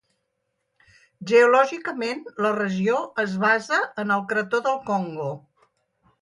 Geològicament la regió es basa en el Crató del Congo.